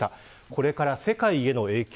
これから世界への影響